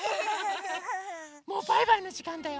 もうバイバイのじかんだよ。